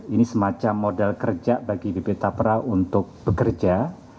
ini semacam modal kerja bagi bp tapra untuk bekerja